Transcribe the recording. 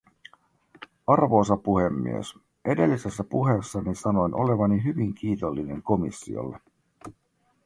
Arvoisa puhemies, edellisessä puheessani sanoin olevani hyvin kiitollinen komissiolle.